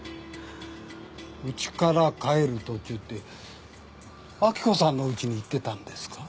うちから帰る途中って明子さんのうちに行ってたんですか？